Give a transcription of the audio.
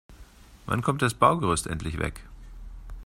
Wann kommt das Baugerüst endlich weg?